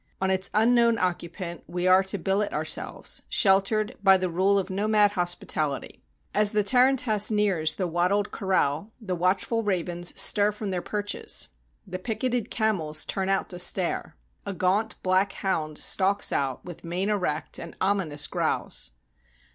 On its unknown occupant we are to billet ourselves, sheltered by the rule of nomad hospital ity. As the tarantass nears the wattled corral, the watchful ravens stir from their perches. The picketed camels turn out to stare. A gaunt black hound stalks out, with mane erect and ominous growls.